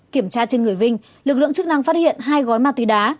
kiểm tra trên người vinh lực lượng chức năng phát hiện hai gói ma túy đá